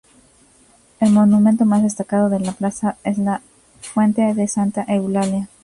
El monumento más destacado de la plaza es la fuente de Santa Eulalia.